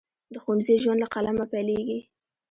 د ښوونځي ژوند له قلمه پیلیږي.